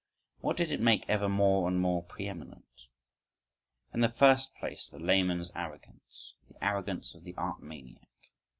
What did it make ever more and more pre eminent?—In the first place the layman's arrogance, the arrogance of the art maniac.